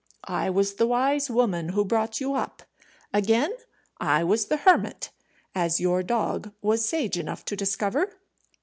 I was the wise woman who brought you up. Again, I was the hermit, as your dog was sage enough to discover.